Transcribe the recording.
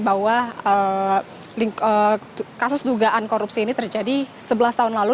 bahwa kasus dugaan korupsi ini terjadi sebelas tahun lalu